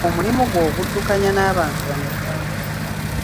Omulimu gwo oguddukanya n'abantu bameka?